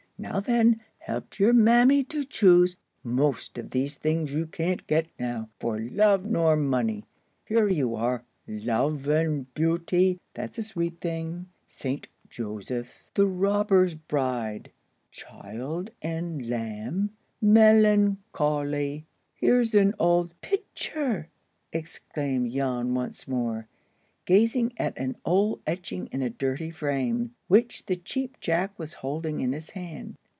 Now then, help your mammy to choose. Most of these is things you can't get now, for love nor money. Here you are,—'Love and Beauty.' That's a sweet thing. 'St Joseph,' 'The Robber's Bride,' 'Child and Lamb,' 'Melan choly.' Here's an old"— "Pitcher!" exclaimed Jan once more, gazing at an old etching in a dirty frame, which the Cheap Jack was holding in his hand.